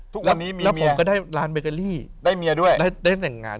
ทุกวันนี้มีเมียได้เมียด้วยแล้วผมก็ได้ร้านเบเกอรี่ได้แต่งงาน